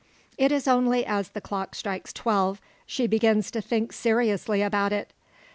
It is only as the clock strikes twelve, she begins to think seriously about it.